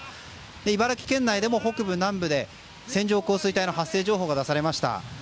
茨城県内でも北部、南部で線状降水帯発生情報が出されました。